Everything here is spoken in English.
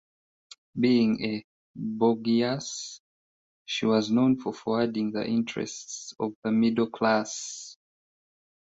Being a bourgeoise, she was known for forwarding the interests of the middle classes.